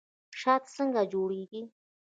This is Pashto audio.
شات څنګه جوړیږي؟